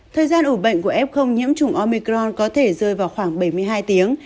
thời gian ủ bệnh của f nhiễm trùng omicron có thể rơi vào khoảng bảy mươi hai tiếng